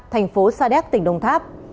tp sadec tỉnh đồng tháp